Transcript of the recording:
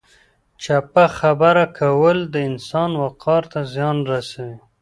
چپه خبره کول د انسان وقار ته زیان رسوي.